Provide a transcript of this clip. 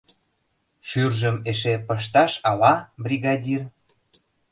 — Шӱржым эше пышташ ала, бригадир?